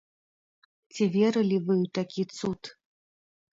Ці верылі вы ў такі цуд?